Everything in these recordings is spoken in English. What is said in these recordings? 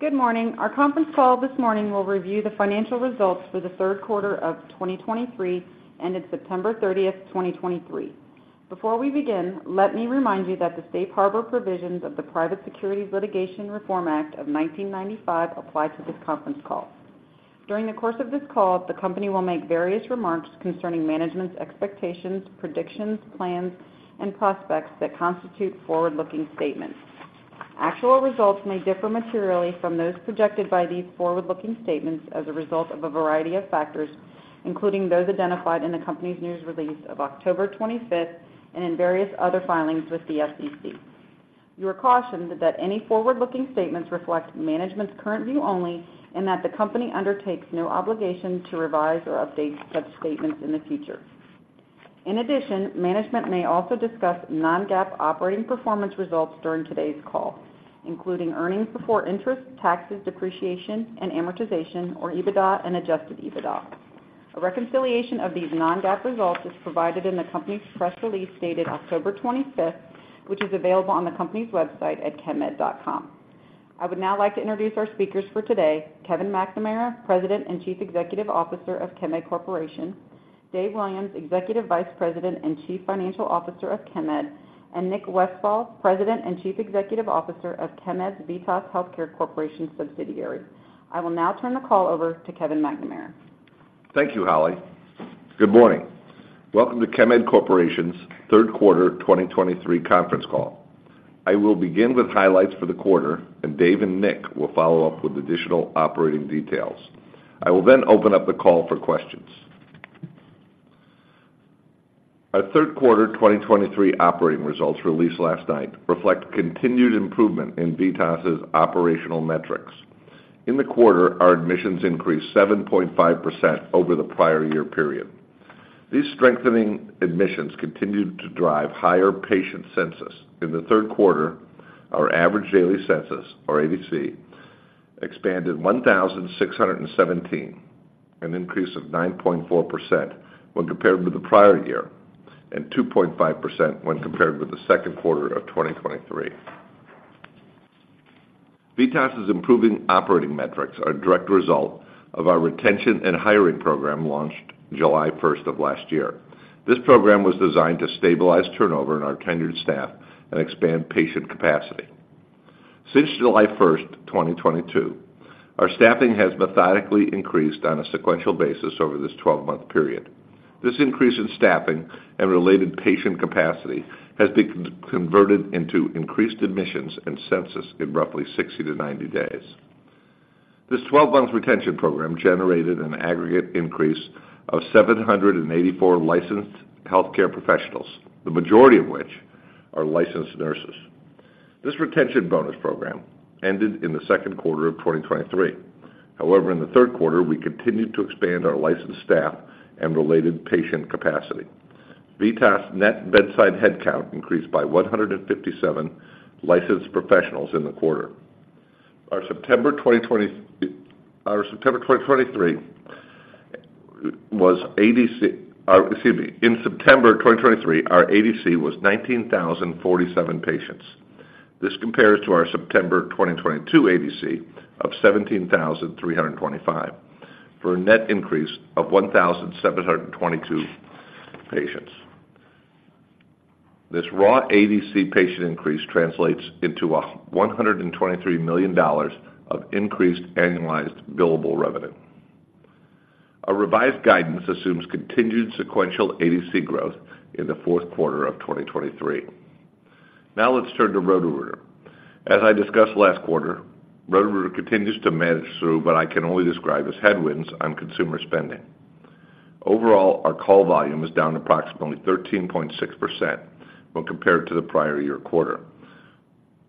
Good morning. Our conference call this morning will review the financial results for the Q3 of 2023, ended September 30, 2023. Before we begin, let me remind you that the safe harbor provisions of the Private Securities Litigation Reform Act of 1995 apply to this conference call. During the course of this call, the company will make various remarks concerning management's expectations, predictions, plans, and prospects that constitute forward-looking statements. Actual results may differ materially from those projected by these forward-looking statements as a result of a variety of factors, including those identified in the company's news release of October 25 and in various other filings with the SEC. You are cautioned that any forward-looking statements reflect management's current view only, and that the company undertakes no obligation to revise or update such statements in the future. In addition, management may also discuss non-GAAP operating performance results during today's call, including earnings before interest, taxes, depreciation, and amortization, or EBITDA and adjusted EBITDA. A reconciliation of these non-GAAP results is provided in the company's press release dated October 25, which is available on the company's website at chemed.com. I would now like to introduce our speakers for today, Kevin McNamara, President and Chief Executive Officer of Chemed Corporation, Dave Williams, Executive Vice President and Chief Financial Officer of Chemed, and Nick Westfall, President and Chief Executive Officer of Chemed's VITAS Healthcare Corporation subsidiary. I will now turn the call over to Kevin McNamara. Thank you. Holly. Good morning. Welcome to Chemed Corporation's Q3 2023 conference call. I will begin with highlights for the quarter, and Dave and Nick will follow up with additional operating details. I will then open up the call for questions. Our Q3 2023 operating results, released last night, reflect continued improvement in VITAS's operational metrics. In the quarter, our admissions increased 7.5% over the prior year period. These strengthening admissions continued to drive higher patient census. In the Q3, our average daily census, or ADC, expanded 1,617, an increase of 9.4% when compared with the prior year, and 2.5% when compared with the Q2 of 2023. VITAS's improving operating metrics are a direct result of our retention and hiring program, launched July 1 of last year. This program was designed to stabilize turnover in our tenured staff and expand patient capacity. Since July 1, 2022, our staffing has methodically increased on a sequential basis over this 12-month period. This increase in staffing and related patient capacity has been converted into increased admissions and census in roughly 60-90 days. This 12-month retention program generated an aggregate increase of 784 licensed healthcare professionals, the majority of which are licensed nurses. This retention bonus program ended in the Q2 of 2023. However, in the Q3, we continued to expand our licensed staff and related patient capacity. VITAS' net bedside headcount increased by 157 licensed professionals in the quarter. In September 2023, our ADC was 19,047 patients. This compares to our September 2022 ADC of 17,325, for a net increase of 1,722 patients. This raw ADC patient increase translates into a one hundred and twenty-three million dollars of increased annualized billable revenue. Our revised guidance assumes continued sequential ADC growth in the Q4 of 2023. Now, let's turn to Roto-Rooter. As I discussed last quarter, Roto-Rooter continues to manage through what I can only describe as headwinds on consumer spending. Overall, our call volume is down approximately 13.6% when compared to the prior year quarter.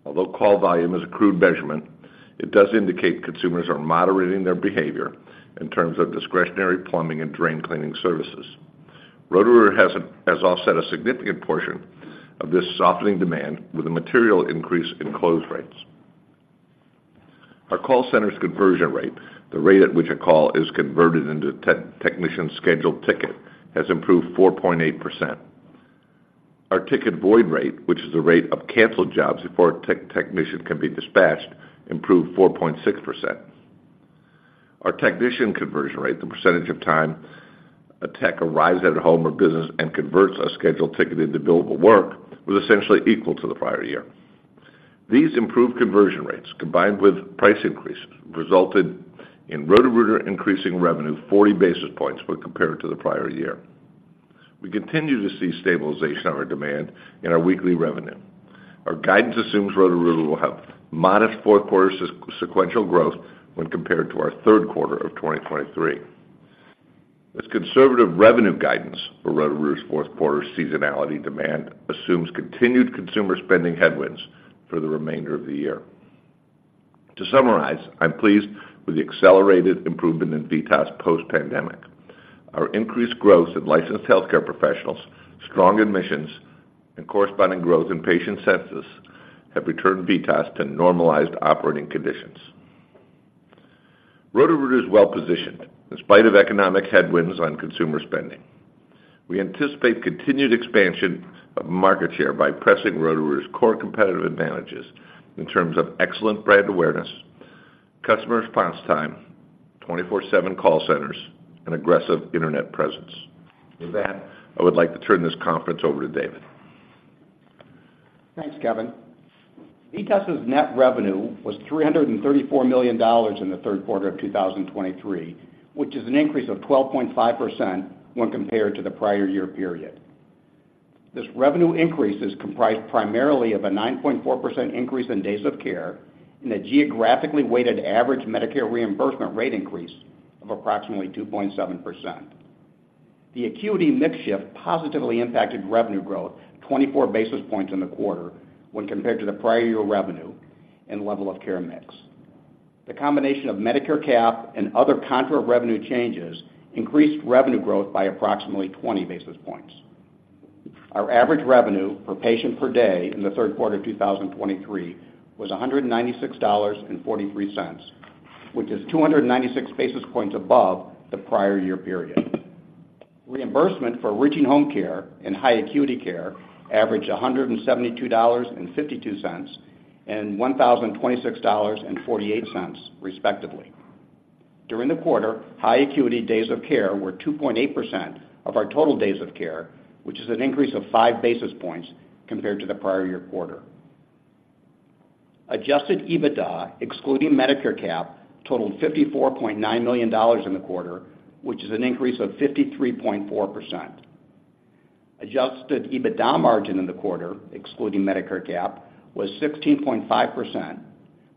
Although call volume is a crude measurement, it does indicate consumers are moderating their behavior in terms of discretionary plumbing and drain cleaning services. Roto-Rooter has offset a significant portion of this softening demand with a material increase in close rates. Our call center's conversion rate, the rate at which a call is converted into technician-scheduled ticket, has improved 4.8%. Our ticket void rate, which is the rate of canceled jobs before a technician can be dispatched, improved 4.6%. Our technician conversion rate, the percentage of time a tech arrives at a home or business and converts a scheduled ticket into billable work, was essentially equal to the prior year. These improved conversion rates, combined with price increases, resulted in Roto-Rooter increasing revenue 40 basis points when compared to the prior year. We continue to see stabilization of our demand in our weekly revenue. Our guidance assumes Roto-Rooter will have modest Q4 sequential growth when compared to our Q3 of 2023. This conservative revenue guidance for Roto-Rooter's Q4 seasonality demand assumes continued consumer spending headwinds for the remainder of the year. To summarize, I'm pleased with the accelerated improvement in VITAS post-pandemic. Our increased growth in licensed healthcare professionals, strong admissions, and corresponding growth in patient census have returned VITAS to normalized operating conditions.... Roto-Rooter is well positioned in spite of economic headwinds on consumer spending. We anticipate continued expansion of market share by pressing Roto-Rooter's core competitive advantages in terms of excellent brand awareness, customer response time, 24/7 call centers, and aggressive internet presence. With that, I would like to turn this conference over to David. Thanks, Kevin. VITAS's net revenue was $334 million in the Q3 of 2023, which is an increase of 12.5% when compared to the prior year period. This revenue increase is comprised primarily of a 9.4% increase in days of care and a geographically weighted average Medicare reimbursement rate increase of approximately 2.7%. The acuity mix shift positively impacted revenue growth 24 basis points in the quarter when compared to the prior year revenue and level of care mix. The combination of Medicare cap and other contra revenue changes increased revenue growth by approximately 20 basis points. Our average revenue per patient per day in the Q3 of 2023 was $196.43, which is 296 basis points above the prior year period. Reimbursement for Routine Home Care and High Acuity Care averaged $172.52 and $1,026.48, respectively. During the quarter, high acuity days of care were 2.8% of our total days of care, which is an increase of 5 basis points compared to the prior year quarter. Adjusted EBITDA, excluding Medicare Cap, totaled $54.9 million in the quarter, which is an increase of 53.4%. Adjusted EBITDA margin in the quarter, excluding Medicare Cap, was 16.5%,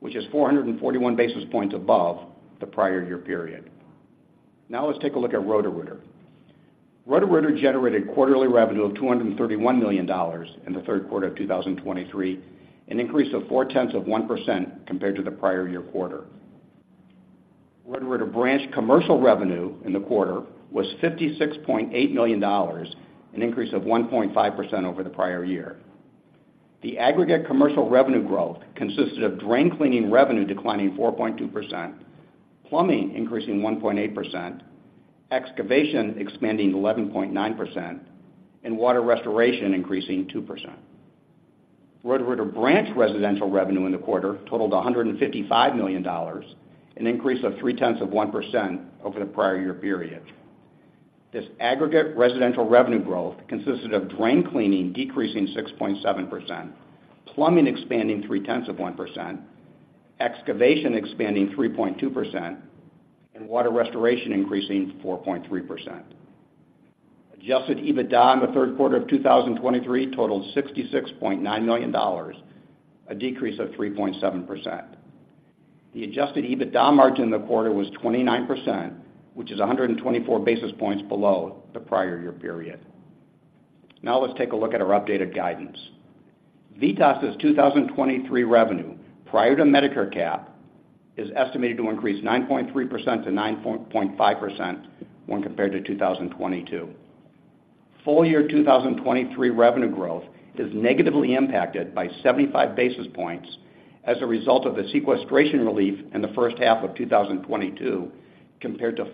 which is 441 basis points above the prior year period. Now let's take a look at Roto-Rooter. Roto-Rooter generated quarterly revenue of $231 million in the Q3 of 2023, an increase of 0.4% compared to the prior year quarter. Roto-Rooter branch commercial revenue in the quarter was $56.8 million, an increase of 1.5% over the prior year. The aggregate commercial revenue growth consisted of drain cleaning revenue declining 4.2%, plumbing increasing 1.8%, excavation expanding 11.9%, and water restoration increasing 2%. Roto-Rooter branch residential revenue in the quarter totaled $155 million, an increase of 0.3% over the prior year period. This aggregate residential revenue growth consisted of drain cleaning decreasing 6.7%, plumbing expanding 0.3%, excavation expanding 3.2%, and water restoration increasing 4.3%. Adjusted EBITDA in the Q3 of 2023 totaled $66.9 million, a decrease of 3.7%. The adjusted EBITDA margin in the quarter was 29%, which is 124 basis points below the prior year period. Now let's take a look at our updated guidance. VITAS's 2023 revenue, prior to Medicare cap, is estimated to increase 9.3%-9.5% when compared to 2022. Full year 2023 revenue growth is negatively impacted by 75 basis points as a result of the sequestration relief in the Q1 of 2022, compared to a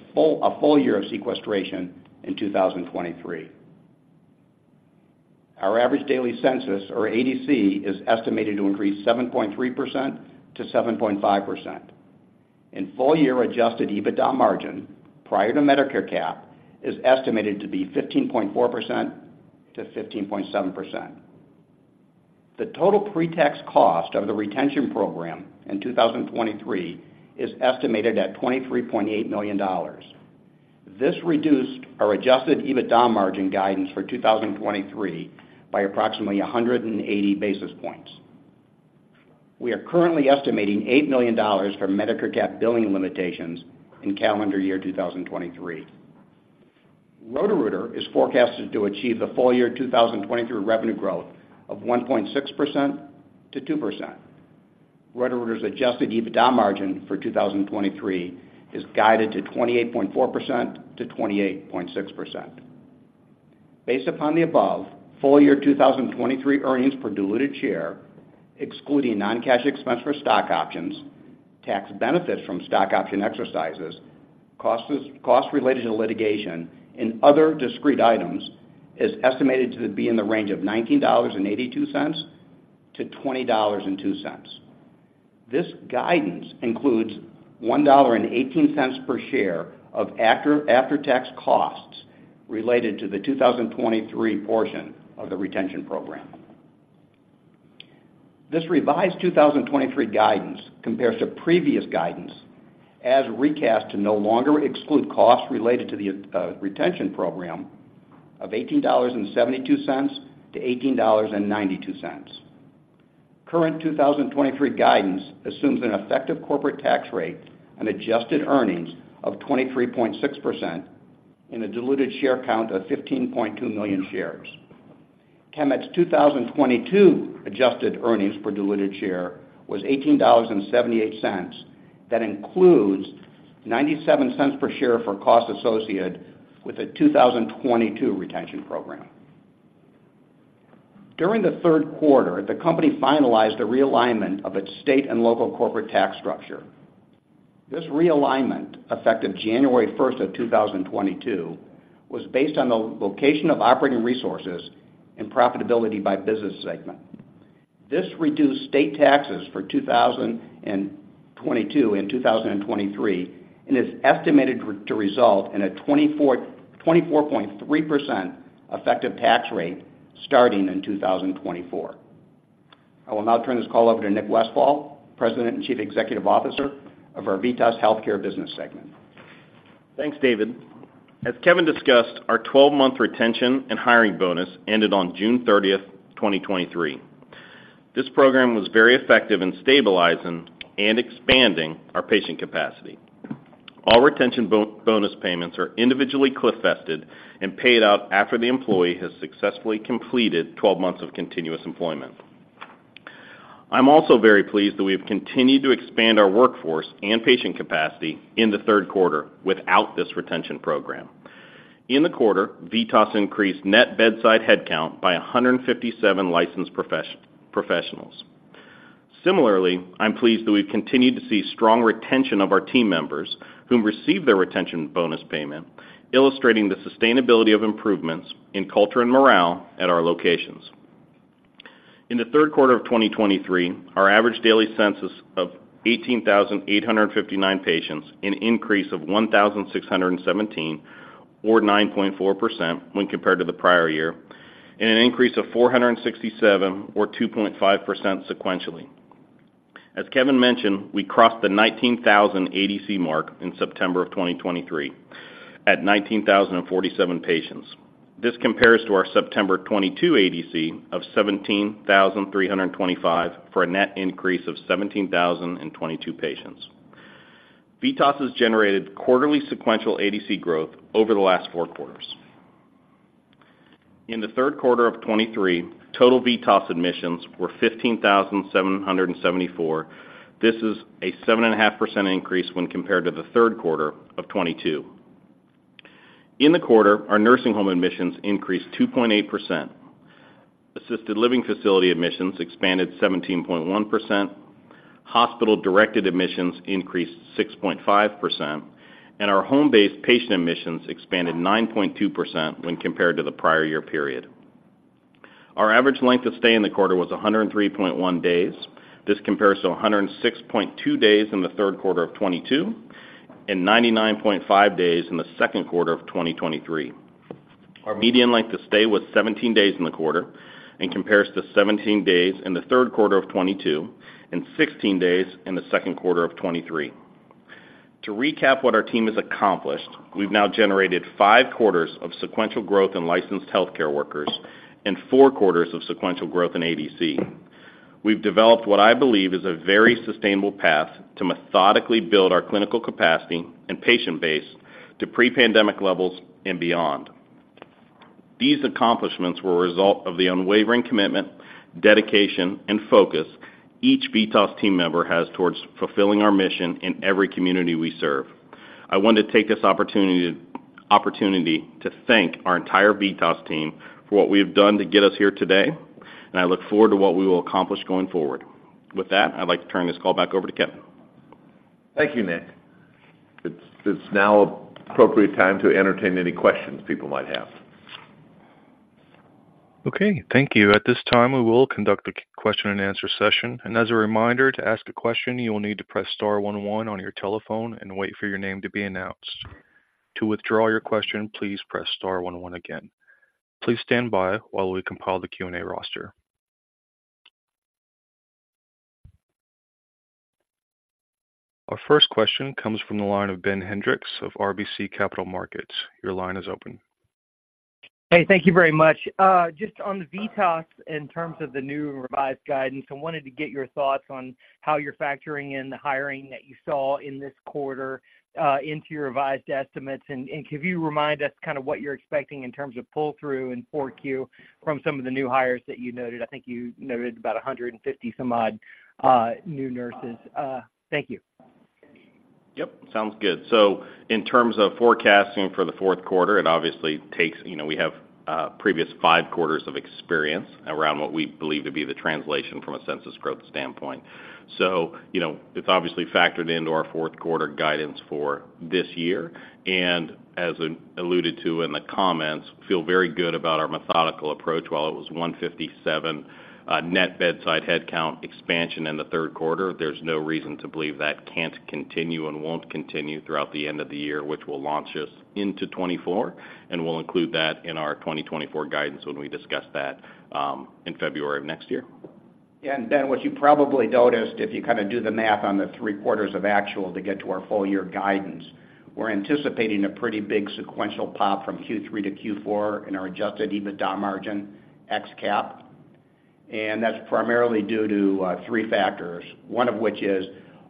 full year of sequestration in 2023. Our average daily census, or ADC, is estimated to increase 7.3%-7.5%. Full year adjusted EBITDA margin, prior to Medicare cap, is estimated to be 15.4%-15.7%. The total pre-tax cost of the retention program in 2023 is estimated at $23.8 million. This reduced our adjusted EBITDA margin guidance for 2023 by approximately 180 basis points. We are currently estimating $8 million for Medicare cap billing limitations in calendar year 2023. Roto-Rooter is forecasted to achieve the full year 2023 revenue growth of 1.6%-2%. Roto-Rooter's adjusted EBITDA margin for 2023 is guided to 28.4%-28.6%. Based upon the above, full year 2023 earnings per diluted share, excluding non-cash expense for stock options, tax benefits from stock option exercises, costs related to litigation, and other discrete items, is estimated to be in the range of $19.82-$20.02. This guidance includes $1.18 per share of after-tax costs related to the 2023 portion of the retention program. This revised 2023 guidance compares to previous guidance as recast to no longer exclude costs related to the retention program of $18.72-$18.92. Current 2023 guidance assumes an effective corporate tax rate on adjusted earnings of 23.6% and a diluted share count of 15.2 million shares. Chemed's 2022 adjusted earnings per diluted share was $18.78. That includes $0.97 per share for costs associated with the 2022 retention program. During the Q3, the company finalized a realignment of its state and local corporate tax structure. This realignment, effective January 1st, 2022, was based on the location of operating resources and profitability by business segment. This reduced state taxes for 2022 and 2023, and is estimated to result in a 24.3% effective tax rate starting in 2024. I will now turn this call over to Nick Westfall, President and Chief Executive Officer of our VITAS Healthcare business segment. Thanks. David. As Kevin discussed, our 12-month retention and hiring bonus ended on June 30th, 2023. This program was very effective in stabilizing and expanding our patient capacity. All retention bonus payments are individually cliff-vested and paid out after the employee has successfully completed 12 months of continuous employment. I'm also very pleased that we have continued to expand our workforce and patient capacity in the Q3 without this retention program. In the quarter, VITAS increased net bedside headcount by 157 licensed professionals. Similarly, I'm pleased that we've continued to see strong retention of our team members whom received their retention bonus payment, illustrating the sustainability of improvements in culture and morale at our locations. In the Q3 of 2023, our average daily census of 18,859 patients, an increase of 1,617, or 9.4%, when compared to the prior year, and an increase of 467, or 2.5% sequentially. As Kevin mentioned, we crossed the 19,000 ADC mark in September of 2023 at 19,047 patients. This compares to our September 2022 ADC of 17,325, for a net increase of 1,722 patients. VITAS has generated quarterly sequential ADC growth over the last four. In the Q3 of 2023, total VITAS admissions were 15,774. This is a 7.5% increase when compared to the Q3 of 2022. In the quarter, our nursing home admissions increased 2.8%. Assisted living facility admissions expanded 17.1%, hospital-directed admissions increased 6.5%, and our home-based patient admissions expanded 9.2% when compared to the prior year period. Our average length of stay in the quarter was 103.1 days. This compares to 106.2 days in the Q3 of 2022, and 99.5 days in the Q2 of 2023. Our median length of stay was 17 days in the quarter and compares to 17 days in the Q3 of 2022, and 16 days in the Q2 of 2023. To recap what our team has accomplished, we've now generated 5 quarters of sequential growth in licensed healthcare workers and 4 quarters of sequential growth in ADC. We've developed what I believe is a very sustainable path to methodically build our clinical capacity and patient base to pre-pandemic levels and beyond. These accomplishments were a result of the unwavering commitment, dedication, and focus each VITAS team member has towards fulfilling our mission in every community we serve. I want to take this opportunity to thank our entire VITAS team for what we have done to get us here today, and I look forward to what we will accomplish going forward. With that, I'd like to turn this call back over to Kevin. Thank you, Nick. It's now appropriate time to entertain any questions people might have. Okay, thank you. At this time, we will conduct a question and answer session. As a reminder, to ask a question, you will need to press star one one on your telephone and wait for your name to be announced. To withdraw your question, please press star one one again. Please stand by while we compile the Q&A roster. Our first question comes from the line of Ben Hendrix of RBC Capital Markets. Your line is open. Hey, thank you very much. Just on the VITAS, in terms of the new revised guidance, I wanted to get your thoughts on how you're factoring in the hiring that you saw in this quarter into your revised estimates. Could you remind us kind of what you're expecting in terms of pull-through in 4Q from some of the new hires that you noted? I think you noted about 150 some odd new nurses. Thank you. Yep, sounds good. So in terms of forecasting for the Q4, it obviously takes, you know, we have previous five quarters of experience around what we believe to be the translation from a census growth standpoint. So, you know, it's obviously factored into our Q4 guidance for this year, and as alluded to in the comments, feel very good about our methodical approach. While it was 157, net bedside headcount expansion in the Q3, there's no reason to believe that can't continue and won't continue throughout the end of the year, which will launch us into 2024, and we'll include that in our 2024 guidance when we discuss that, in February of next year. Ben, what you probably noticed, if you kind of do the math on the three quarters of actual to get to our full year guidance, we're anticipating a pretty big sequential pop from Q3 to Q4 in our Adjusted EBITDA margin, ex cap. And that's primarily due to three factors, one of which is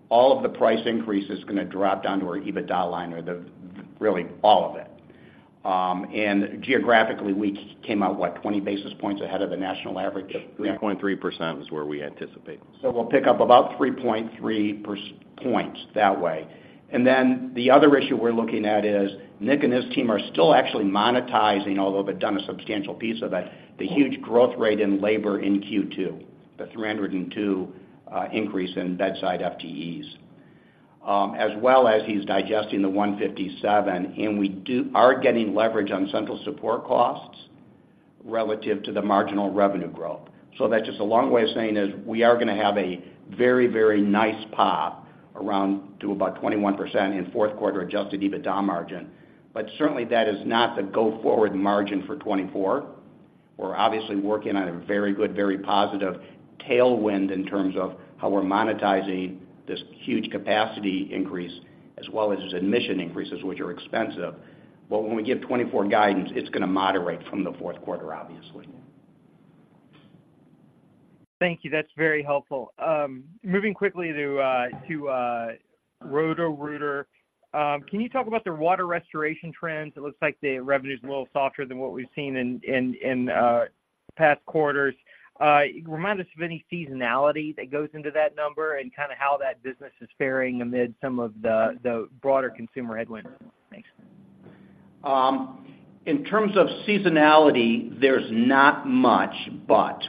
all of the price increase is gonna drop down to our EBITDA line, or the, really all of it. And geographically, we came out, what? 20 basis points ahead of the national average. Yep. 3.3% is where we anticipate. So we'll pick up about 3.3 points that way. And then the other issue we're looking at is, Nick and his team are still actually monetizing, although they've done a substantial piece of it, the huge growth rate in labor in Q2. the 302 increase in bedside FTEs. As well as he's digesting the 157, and we are getting leverage on central support costs relative to the marginal revenue growth. So that's just a long way of saying is, we are gonna have a very, very nice pop around to about 21% in Q4 adjusted EBITDA margin. But certainly, that is not the go-forward margin for 2024. We're obviously working on a very good, very positive tailwind in terms of how we're monetizing this huge capacity increase, as well as admission increases, which are expensive. But when we give 2024 guidance, it's gonna moderate from the Q4, obviously. Thank you. That's very helpful. Moving quickly to Roto-Rooter. Can you talk about the water restoration trends? It looks like the revenue's a little softer than what we've seen in past quarters. Remind us of any seasonality that goes into that number and kind of how that business is faring amid some of the broader consumer headwinds? Thanks. In terms of seasonality, there's not much, but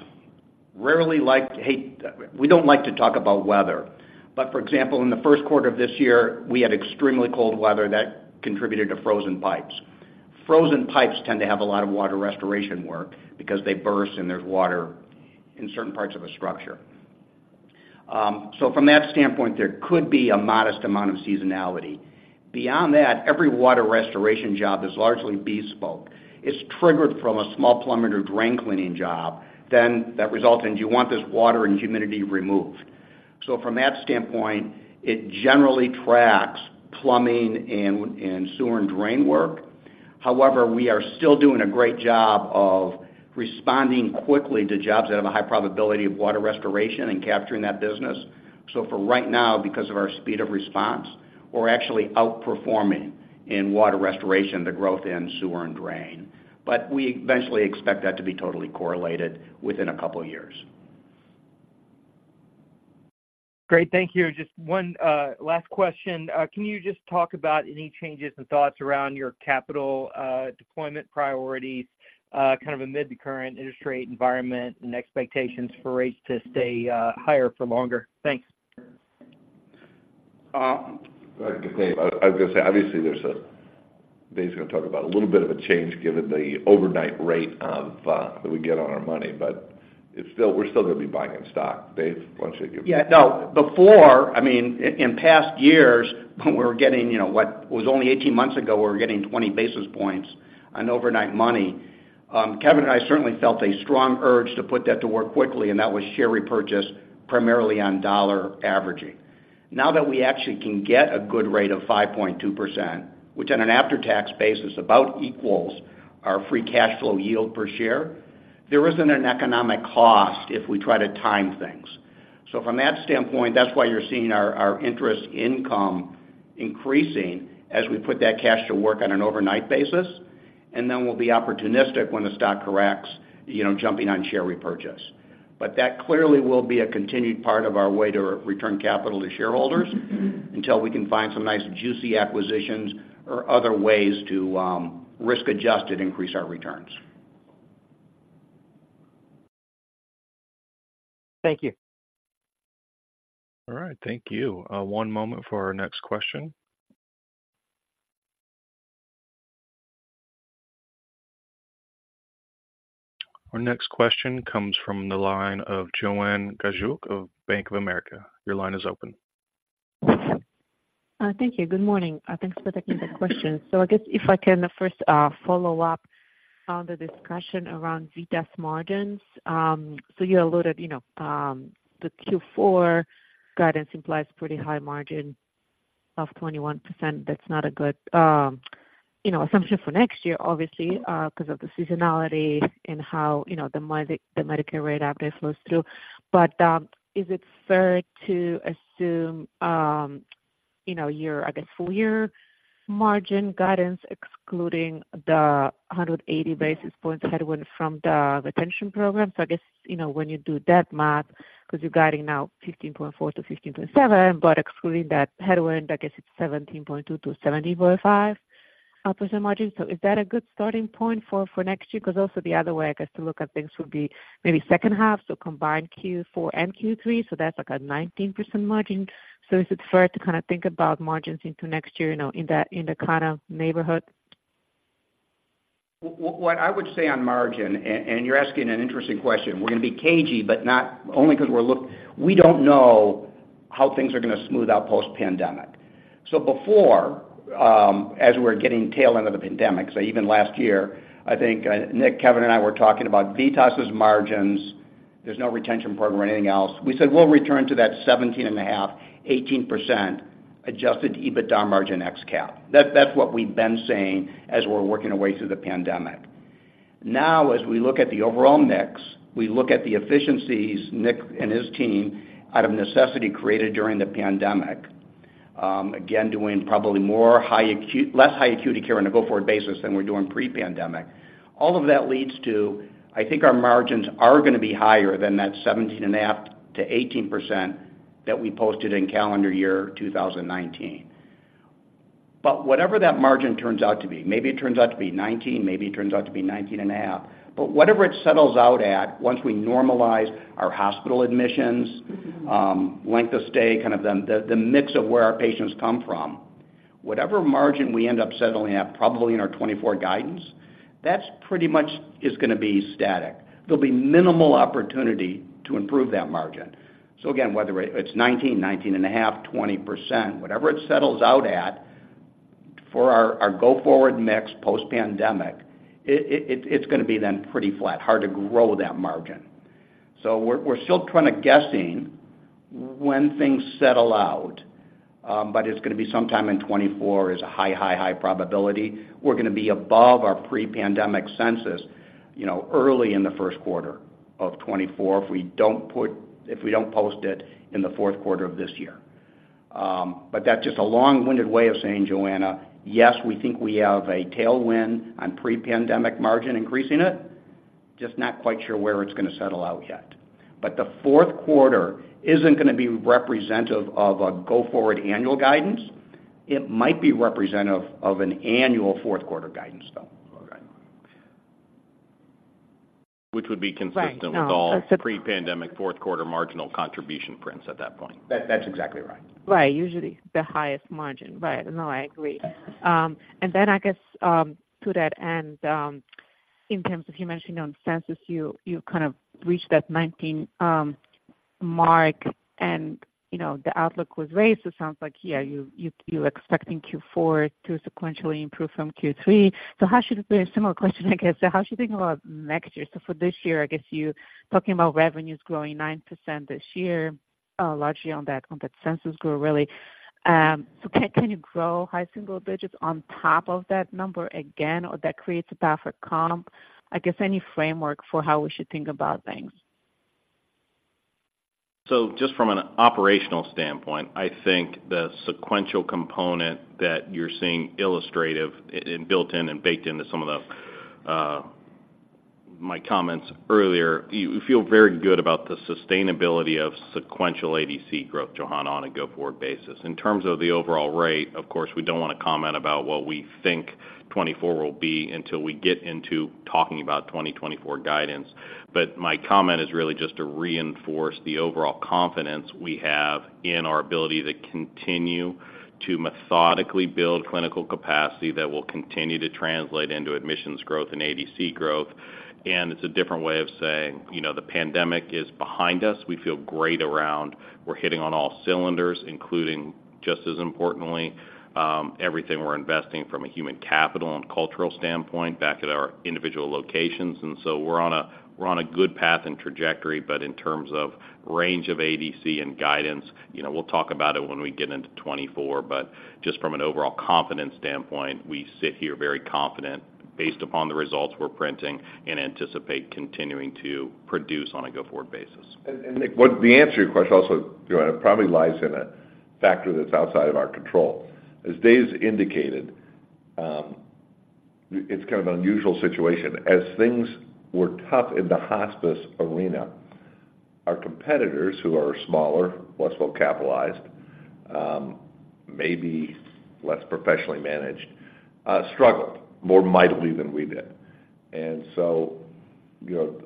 rarely like hey, we don't like to talk about weather. For example, in the Q1 of this year, we had extremely cold weather that contributed to frozen pipes. Frozen pipes tend to have a lot of water restoration work because they burst and there's water in certain parts of a structure. From that standpoint, there could be a modest amount of seasonality. Beyond that, every water restoration job is largely bespoke. It's triggered from a small plumber to drain cleaning job, then that results in, do you want this water and humidity removed? From that standpoint, it generally tracks plumbing and, and sewer and drain work. However, we are still doing a great job of responding quickly to jobs that have a high probability of water restoration and capturing that business. So for right now, because of our speed of response, we're actually outperforming in water restoration, the growth in sewer and drain. But we eventually expect that to be totally correlated within a couple of years. Great. Thank you. Just one last question. Can you just talk about any changes and thoughts around your capital deployment priorities, kind of amid the current interest rate environment and expectations for rates to stay higher for longer? Thanks. Dave, I was gonna say, obviously, there's Dave's gonna talk about a little bit of a change given the overnight rate of that we get on our money, but it's still we're still gonna be buying in stock. Dave, why don't you give Yeah, no, before, I mean, in past years, when we were getting, you know, what was only 18 months ago, we were getting 20 basis points on overnight money. Kevin and I certainly felt a strong urge to put that to work quickly, and that was share repurchase, primarily on dollar averaging. Now that we actually can get a good rate of 5.2%, which on an after-tax basis, about equals our free cash flow yield per share, there isn't an economic cost if we try to time things. So from that standpoint, that's why you're seeing our interest income increasing as we put that cash to work on an overnight basis, and then we'll be opportunistic when the stock corrects, you know, jumping on share repurchase. But that clearly will be a continued part of our way to return capital to shareholders, until we can find some nice, juicy acquisitions or other ways to risk-adjusted increase our returns. Thank you. All right, thank you. One moment for our next question. Our next question comes from the line of Joanna Gajuk of Bank of America. Your line is open. Thank you. Good morning. Thanks for taking the question. So I guess if I can first, follow up on the discussion around VITAS margins. So you alluded, you know, the Q4 guidance implies pretty high margin of 21%. That's not a good, you know, assumption for next year, obviously, because of the seasonality and how, you know, the Medicare rate update flows through. But, is it fair to assume, you know, your, I guess, full year margin guidance, excluding the 180 basis points headwind from the retention program? So I guess, you know, when you do that math, because you're guiding now 15.4%-15.7%, but excluding that headwind, I guess it's 17.2%-17.5% margin. So is that a good starting point for next year? Because also the other way, I guess, to look at things would be maybe H2, so combined Q4 and Q3, so that's like a 19% margin. So is it fair to kind of think about margins into next year, you know, in that, in the kind of neighborhood? What I would say on margin, and you're asking an interesting question. We're gonna be cagey, but not only because we don't know how things are gonna smooth out post-pandemic. So before, as we're getting tail end of the pandemic, so even last year, I think, Nick, Kevin, and I were talking about VITAS' margins. There's no retention program or anything else. We said we'll return to that 17.5%-18% adjusted EBITDA margin ex cap. That's what we've been saying as we're working our way through the pandemic. Now, as we look at the overall mix, we look at the efficiencies Nick and his team, out of necessity, created during the pandemic. Again, doing probably less high acuity care on a go-forward basis than we're doing pre-pandemic. All of that leads to, I think our margins are gonna be higher than that 17.5%-18% that we posted in calendar year 2019. Whatever that margin turns out to be, maybe it turns out to be 19, maybe it turns out to be 19.5, but whatever it settles out at, once we normalize our hospital admissions, length of stay, kind of the mix of where our patients come from, whatever margin we end up settling at, probably in our 2024 guidance, that pretty much is gonna be static. There'll be minimal opportunity to improve that margin. Again, whether it's 19, 19.5, 20%, whatever it settles out at for our go-forward mix, post-pandemic, it's gonna be then pretty flat, hard to grow that margin. We're still kind of guessing when things settle out, but it's gonna be sometime in 2024, is a high, high, high probability. We're gonna be above our pre-pandemic census, you know, early in the Q1 of 2024, if we don't post it in the Q4 of this year. But that's just a long-winded way of saying, Joanna, yes, we think we have a tailwind on pre-pandemic margin, increasing it. Just not quite sure where it's gonna settle out yet. But the Q4 isn't gonna be representative of a go-forward annual guidance. It might be representative of an annual Q4 guidance, though. Which would be consistent. Right, um, with all pre-pandemic, Q4 marginal contribution prints at that point. That, that's exactly right. Right, usually the highest margin. Right. No, I agree. And then I guess, to that end, in terms of you mentioning on census, you, you kind of reached that 19 mark, and, you know, the outlook was raised. It sounds like, yeah, you, you, you're expecting Q4 to sequentially improve from Q3. So how should a similar question, I guess, so how should you think about next year? So for this year, I guess you're talking about revenues growing 9% this year, largely on that, on that census grow, really. So can you grow high single digits on top of that number again, or that creates a path for comp? I guess, any framework for how we should think about things. Just from an operational standpoint, I think the sequential component that you're seeing is illustrative and built in and baked into some of my comments earlier. You feel very good about the sustainability of sequential ADC growth, Joanna, on a go-forward basis. In terms of the overall rate, of course, we don't want to comment about what we think 2024 will be until we get into talking about 2024 guidance. My comment is really just to reinforce the overall confidence we have in our ability to continue to methodically build clinical capacity that will continue to translate into admissions growth and ADC growth. It's a different way of saying, you know, the pandemic is behind us. We feel great around. We're hitting on all cylinders, including, just as importantly, everything we're investing from a human capital and cultural standpoint back at our individual locations. And so we're on a good path and trajectory, but in terms of range of ADC and guidance, you know, we'll talk about it when we get into 2024. But just from an overall confidence standpoint, we sit here very confident, based upon the results we're printing, and anticipate continuing to produce on a go-forward basis. Nick, what the answer to your question also, Joanna, probably lies in a factor that's outside of our control. As Dave indicated, it's kind of an unusual situation. As things were tough in the hospice arena, our competitors, who are smaller, less well-capitalized, maybe less professionally managed, struggled more mightily than we did. And so, you know,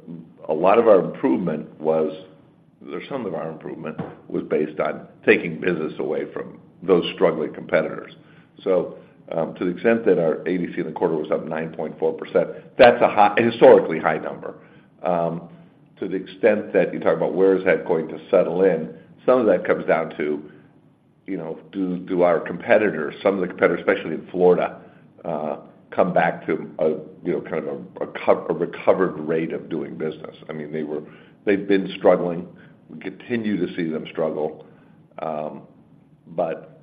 a lot of our improvement was, or some of our improvement was based on taking business away from those struggling competitors. So, to the extent that our ADC in the quarter was up 9.4%, that's a high, a historically high number. To the extent that you talk about where is that going to settle in, some of that comes down to, you know, do our competitors, some of the competitors, especially in Florida, come back to a, you know, kind of a recovered rate of doing business? I mean, they were—they've been struggling. We continue to see them struggle, but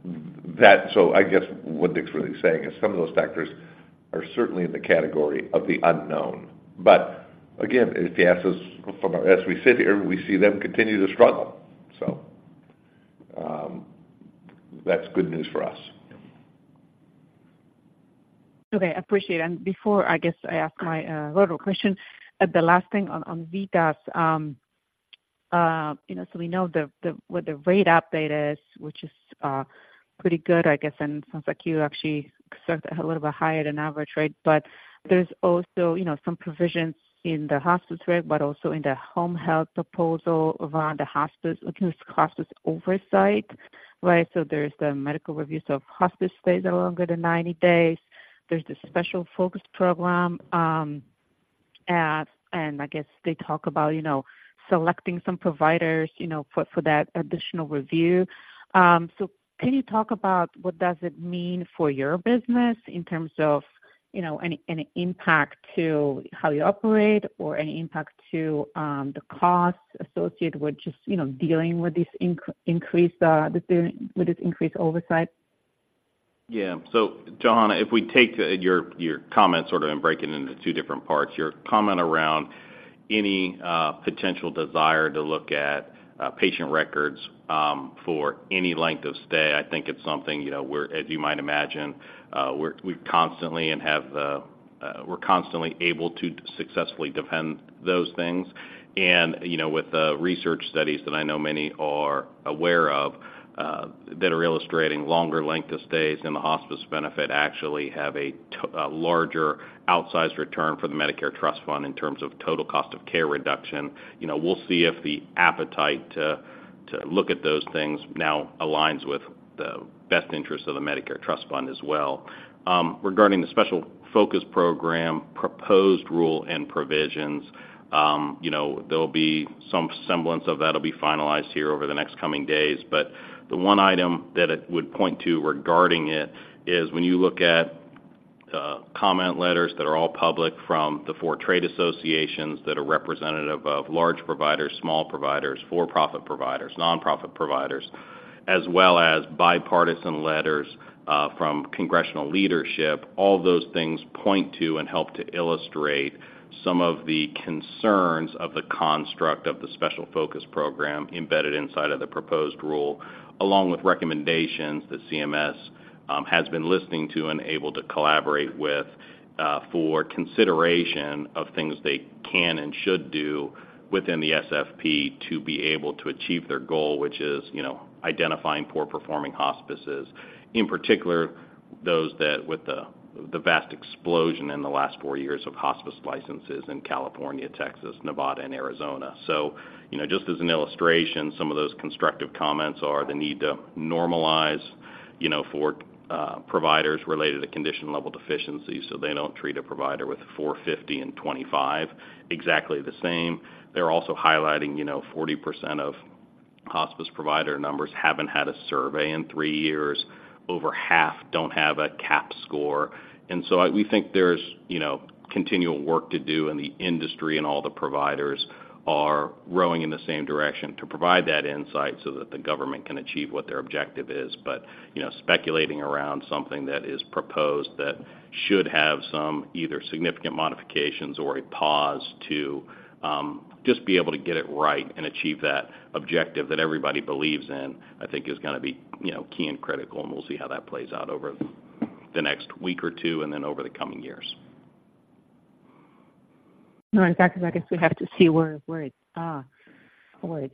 that. So I guess what Nick's really saying is some of those factors are certainly in the category of the unknown. But again, if you ask us as we sit here, we see them continue to struggle. So, that's good news for us. Okay, I appreciate it. And before, I guess, I ask my final question, the last thing on, on VITAS, you know, so we know the, the, what the rate update is, which is pretty good, I guess, and sounds like you actually a little bit higher than average rate. But there's also, you know, some provisions in the hospice rate, but also in the home health proposal around the hospice, hospice oversight, right? So there's the medical reviews of hospice stays are longer than 90 days. There's the Special Focus Program, and I guess they talk about, you know, selecting some providers, you know, for, for that additional review. So, can you talk about what does it mean for your business in terms of, you know, any impact to how you operate or any impact to the costs associated with just, you know, dealing with this increased oversight? Yeah. So Joanna, if we take your comment sort of and break it into two different parts, your comment around any potential desire to look at patient records for any length of stay, I think it's something, you know, we're, as you might imagine, we're constantly able to successfully defend those things. And, you know, with the research studies that I know many are aware of, that are illustrating longer length of stays in the hospice benefit actually have a larger outsized return for the Medicare Trust Fund in terms of total cost of care reduction. You know, we'll see if the appetite to look at those things now aligns with the best interest of the Medicare Trust Fund as well. Regarding the Special Focus Program, proposed rule and provisions, you know, there'll be some semblance of that'll be finalized here over the next coming days. But the one item that it would point to regarding it, is when you look at comment letters that are all public from the four trade associations that are representative of large providers, small providers, for-profit providers, nonprofit providers, as well as bipartisan letters from congressional leadership, all those things point to and help to illustrate some of the concerns of the construct of the Special Focus Program embedded inside of the proposed rule, along with recommendations that CMS has been listening to and able to collaborate with for consideration of things they can and should do within the SFP to be able to achieve their goal, which is, you know, identifying poor performing hospices, in particular, those that with the vast explosion in the last four years of hospice licenses in California, Texas, Nevada, and Arizona. So, you know, just as an illustration, some of those constructive comments are the need to normalize, you know, for providers related to condition-level deficiencies, so they don't treat a provider with 450 and 25 exactly the same. They're also highlighting, you know, 40% of hospice provider numbers haven't had a survey in three years. Over half don't have a CAHPS score. And so we think there's, you know, continual work to do, and the industry and all the providers are rowing in the same direction to provide that insight so that the government can achieve what their objective is. But, you know, speculating around something that is proposed that should have some either significant modifications or a pause to just be able to get it right and achieve that objective that everybody believes in, I think is gonna be, you know, key and critical, and we'll see how that plays out over the next week or two, and then over the coming years. No, in fact, I guess we have to see where it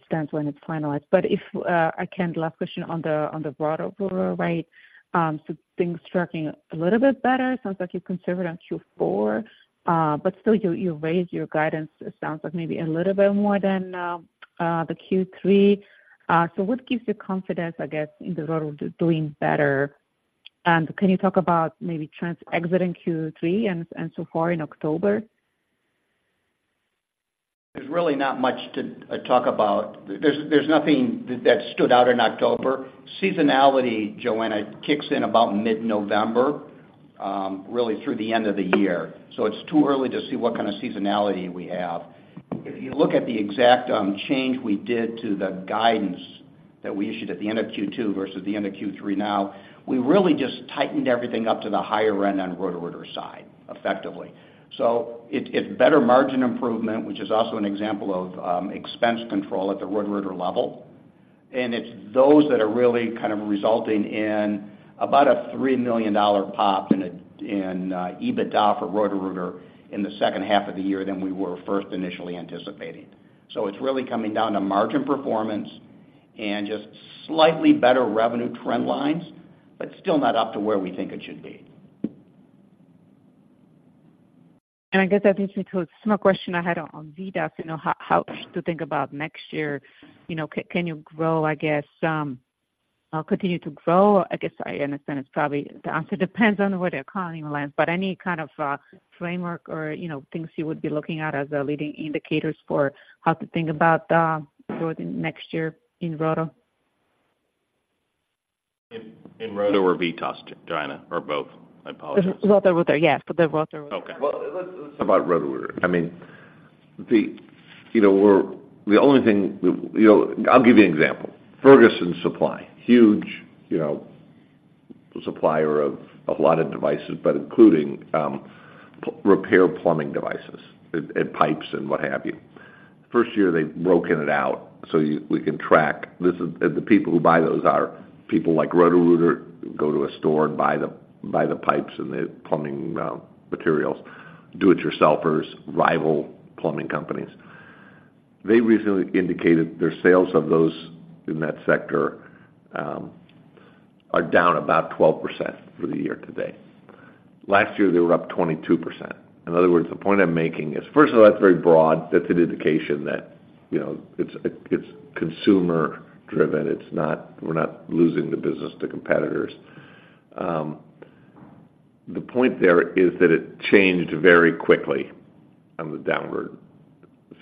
stands when it's finalized. But last question on the Roto-Rooter, right? So things tracking a little bit better. Sounds like you're conservative on Q4, but still, you raised your guidance, it sounds like maybe a little bit more than the Q3. So what gives you confidence, I guess, in the Roto-Rooter doing better? And can you talk about maybe trends exiting Q3 and so far in October? There's really not much to talk about. There's nothing that stood out in October. Seasonality, Joanna, kicks in about mid-November, really through the end of the year, so it's too early to see what kind of seasonality we have. If you look at the exact change we did to the guidance that we issued at the end of Q2 versus the end of Q3 now, we really just tightened everything up to the higher end on Roto-Rooter side, effectively. It’s better margin improvement, which is also an example of expense control at the Roto-Rooter level. It's those that are really kind of resulting in about a $3 million pop in EBITDA for Roto-Rooter in the H2 of the year than we were first initially anticipating. So it's really coming down to margin performance and just slightly better revenue trend lines, but still not up to where we think it should be. And I guess that leads me to a similar question I had on VITAS, you know, how to think about next year. You know, can you grow, I guess, continue to grow? I guess I understand it's probably the answer depends on where the economy lands, but any kind of framework or, you know, things you would be looking at as leading indicators for how to think about growth next year in Roto? In Roto or VITAS, Joanna, or both? I apologize. Roto-Rooter. Yes, for the Roto-Rooter. Okay. Well, let's talk about Roto-Rooter. I mean, the, you know, we're the only thing we you know, I'll give you an example. Ferguson Supply, huge, you know, supplier of a lot of devices, but including repair plumbing devices and pipes and what have you. First year, they've broken it out, so you we can track. This is. And the people who buy those are people like Roto-Rooter, who go to a store and buy the, buy the pipes and the plumbing materials, do-it-yourselfers, rival plumbing companies. They recently indicated their sales of those in that sector are down about 12% for the year to date. Last year, they were up 22%. In other words, the point I'm making is, first of all, that's very broad. That's an indication that, you know, it's, it's consumer driven. It's not, we're not losing the business to competitors. The point there is that it changed very quickly on the downward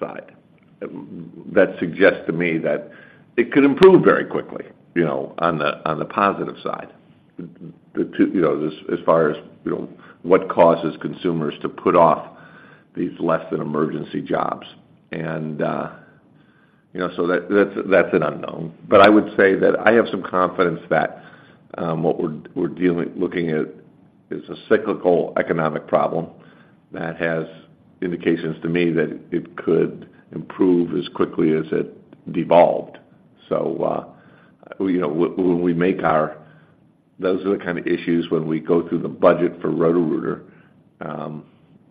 side. That suggests to me that it could improve very quickly, you know, on the positive side, the two, you know, as far as, you know, what causes consumers to put off these less than emergency jobs. You know, that's an unknown. I would say that I have some confidence that what we're looking at is a cyclical economic problem that has indications to me that it could improve as quickly as it devolved. We, you know, when we make our. Those are the kind of issues when we go through the budget for Roto-Rooter,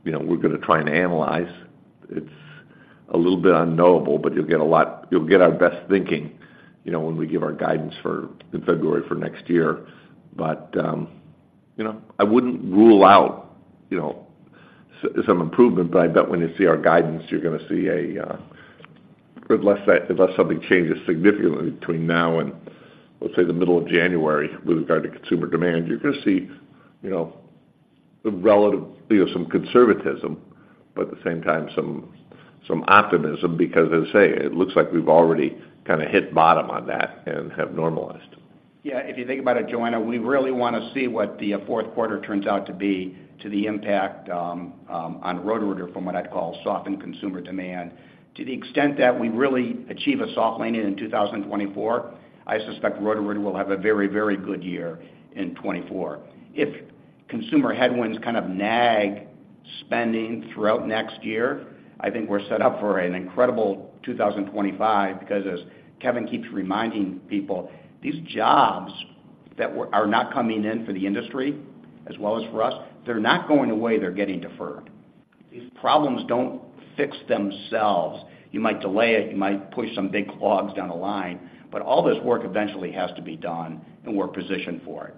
you know, we're gonna try and analyze. It's a little bit unknowable, but you'll get a lot-- you'll get our best thinking, you know, when we give our guidance for-- in February for next year. You know, I wouldn't rule out, you know, some improvement, but I bet when you see our guidance, you're gonna see a, unless I-- unless something changes significantly between now and, let's say, the middle of January with regard to consumer demand, you're gonna see, you know, the relative, you know, some conservatism, but at the same time, some, some optimism, because as I say, it looks like we've already kinda hit bottom on that and have normalized. Yeah, if you think about it, Joanna, we really wanna see what the Q4 turns out to be, to the impact on Roto-Rooter from what I'd call softened consumer demand. To the extent that we really achieve a soft landing in 2024, I suspect Roto-Rooter will have a very, very good year in 2024. If consumer headwinds kind of nag spending throughout next year, I think we're set up for an incredible 2025, because as Kevin keeps reminding people, these jobs that were--are not coming in for the industry, as well as for us, they're not going away, they're getting deferred. These problems don't fix themselves. You might delay it, you might push some big clogs down the line, but all this work eventually has to be done, and we're positioned for it.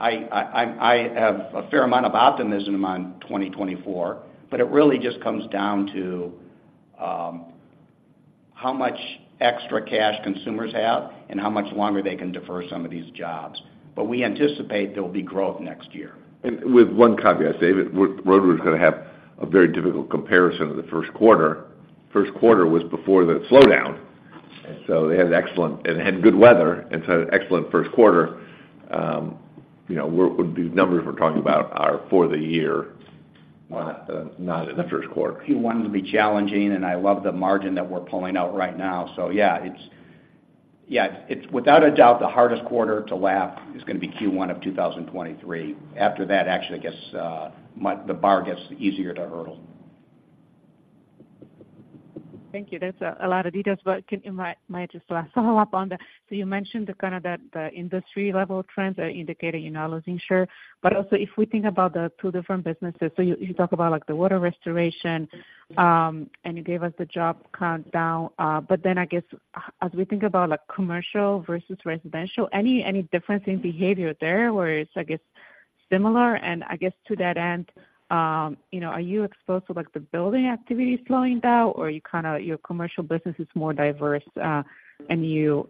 I have a fair amount of optimism on 2024, but it really just comes down to how much extra cash consumers have and how much longer they can defer some of these jobs. But we anticipate there will be growth next year. And with one caveat, David, Roto-Rooter's gonna have a very difficult comparison in the Q1. Q1 was before the slowdown, and so they had an excellent, and they had good weather, and so an excellent Q1. You know, we're, the numbers we're talking about are for the year, not, not in the Q1. Q1 will be challenging, and I love the margin that we're pulling out right now. So yeah, it's... Yeah, it's without a doubt, the hardest quarter to lap is gonna be Q1 of 2023. After that, actually, it gets the bar gets easier to hurdle. Thank you. That's a lot of details, but can you just follow up on that? So you mentioned the kind that the industry-level trends are indicating you're now losing share. But also, if we think about the two different businesses, so you talk about, like, the water restoration, and you gave us the job count down. But then I guess, as we think about, like, commercial versus residential, any difference in behavior there, or it's, I guess, similar? And I guess to that end, you know, are you exposed to, like, the building activity slowing down, or you kinda your commercial business is more diverse, and you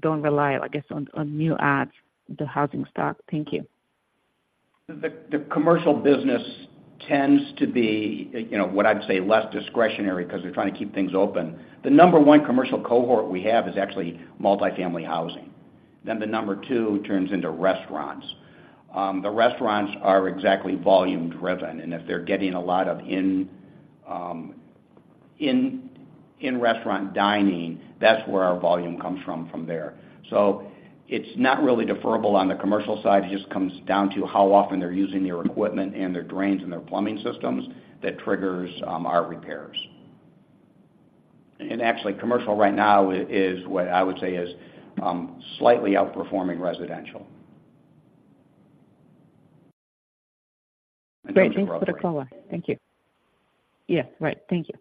don't rely, I guess, on new adds to the housing stock? Thank you. The commercial business tends to be, you know, what I'd say, less discretionary, 'cause they're trying to keep things open. The number one commercial cohort we have is actually multifamily housing. Then the number two turns into restaurants. The restaurants are exactly volume-driven, and if they're getting a lot of in-restaurant dining, that's where our volume comes from there. So it's not really deferrable on the commercial side. It just comes down to how often they're using their equipment and their drains and their plumbing systems that triggers our repairs. And actually, commercial right now is what I would say is slightly outperforming residential. Great. Thank you for the color. Thank you. Yeah, right. Thank you.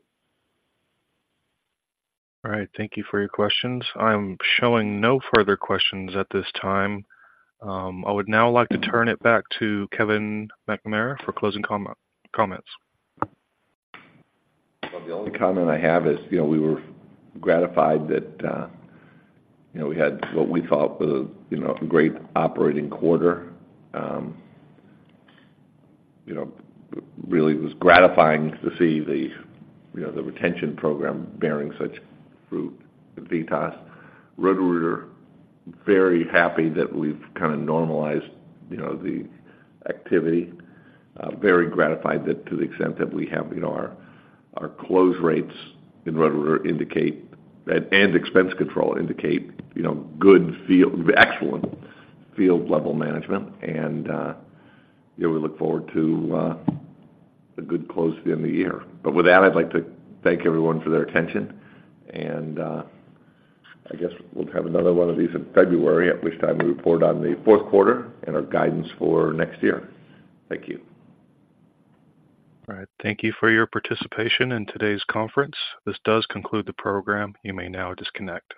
All right. Thank you for your questions. I'm showing no further questions at this time. I would now like to turn it back to Kevin McNamara for closing comments. Well, the only comment I have is, you know, we were gratified that, you know, we had what we thought was a, you know, a great operating quarter. You know, really was gratifying to see the, you know, the retention program bearing such fruit with VITAS. Roto-Rooter, very happy that we've kinda normalized, you know, the activity. Very gratified that to the extent that we have, you know, our, our close rates in Roto-Rooter indicate, and expense control indicate, you know, excellent field-level management. And, yeah, we look forward to, a good close to end the year. But with that, I'd like to thank everyone for their attention. And, I guess we'll have another one of these in February, at which time we report on the Q4 and our guidance for next year. Thank you. All right. Thank you for your participation in today's conference. This does conclude the program. You may now disconnect.